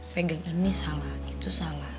pegangan ini salah itu salah